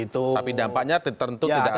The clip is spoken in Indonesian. tapi dampaknya tentu tidak akan